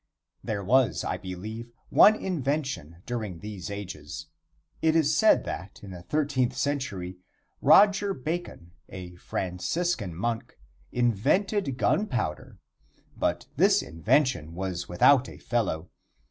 There was, I believe, one invention during these ages. It is said that, in the thirteenth century, Roger Bacon, a Franciscan monk, invented gunpowder, but this invention was without a fellow.